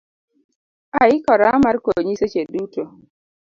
Aikora mar konyi seche duto.